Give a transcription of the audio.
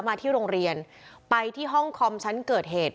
มาที่โรงเรียนไปที่ห้องคอมชั้นเกิดเหตุ